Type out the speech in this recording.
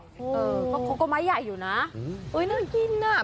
เขาก็ไม้ใหญ่อยู่นะน่ากินนะ